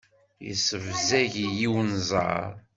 Yessebzeg-iyi unẓar.